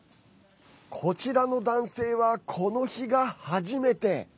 こちらの男性は、この日が初めて。